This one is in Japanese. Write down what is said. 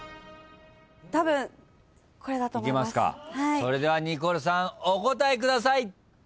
それではニコルさんお答えください。